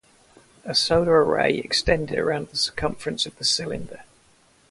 A solar array extended around the circumference of the cylinder.